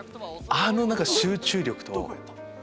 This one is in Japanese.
あの集中力と。